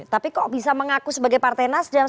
tapi kok bisa mengaku sebagai partai nasdem